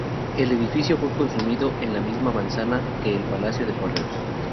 El edificio fue construido en la misma manzana que el Palacio de Correos.